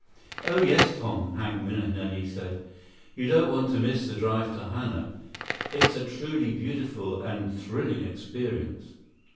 "Oh, yes, Tom," Hank Mahenili said. "You don't want to miss the drive to Hana. It's a truly beautiful and thrilling experience."